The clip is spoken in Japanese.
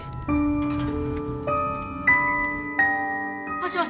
もしもし！